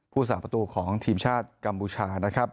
สาประตูของทีมชาติกัมพูชานะครับ